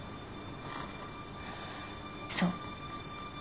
そう。